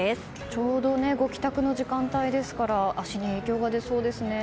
ちょうどご帰宅の時間帯ですから足に影響が出そうですね。